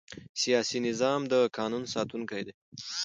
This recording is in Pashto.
سیاسي نظام د قانون ساتونکی دی